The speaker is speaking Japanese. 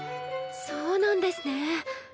そうなんですね。